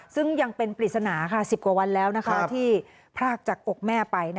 ซึ่งยังเป็นปริศนา๑๐กว่าวันแล้วที่พรากจากอกแม่ไป